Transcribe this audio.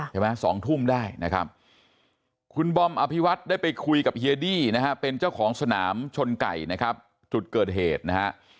๒ทุ่มได้นะครับคุณบอมอภิวัตได้ไปคุยกับเฮียดี้นะฮะเป็นเจ้าของสนามชนไก่นะครับจุดเกิดเหตุนะฮะ